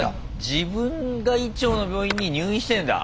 自分が医長の病院に入院してんだ。